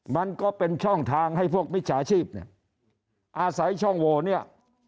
มันก็เป็นช่องทางให้พวกมิจฉาชีพเนี่ยอาศัยช่องโวเนี่ย